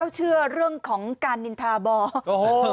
เชื่อเรื่องของการนินทาบอก